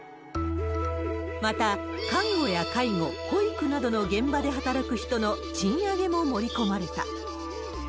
また、看護や介護、保育などの現場で働く人の賃上げも盛り込まれた。